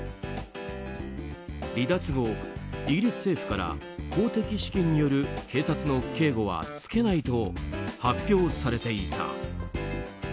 離脱後、イギリス政府から公的資金による警察の警護はつけないと発表されていた。